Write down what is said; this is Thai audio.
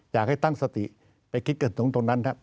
อยากให้ตั้งสติไปคิดกันตรงนั้นครับ